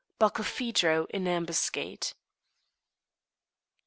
BARKILPHEDRO IN AMBUSCADE.